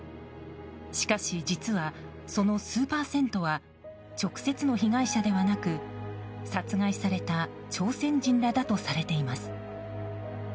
しかし実は、その数パーセントは直接の被害者ではなく殺害された朝鮮人らだとされています。